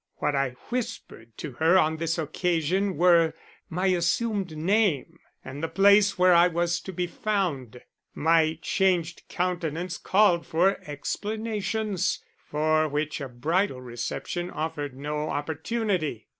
What I whispered to her on this occasion were my assumed name and the place where I was to be found. My changed countenance called for explanations, for which a bridal reception offered no opportunity.